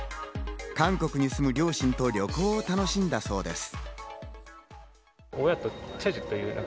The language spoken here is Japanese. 韓国に住む両親と旅行を楽しんだそうです。